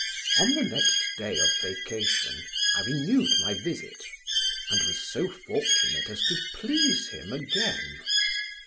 "On the next day of vacation I renewed my visit, and was so fortunate as to please him again.